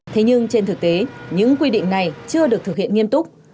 thế nhưng trên thực tế những quy định này chưa được thực hiện nghiêm túc